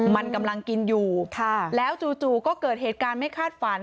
มันกำลังกินอยู่แล้วจู่ก็เกิดเหตุการณ์ไม่คาดฝัน